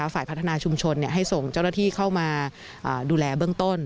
ฝ่ายพัฒนาชุมชนให้ส่งเจ้าหน้าที่เข้ามาดูแลเบื้องต้น